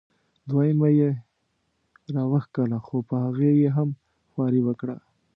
دویمه یې را وښکله خو په هغې یې هم خواري وکړه.